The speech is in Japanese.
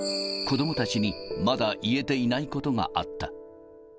子どもたちに、まだ言えていないことがあった。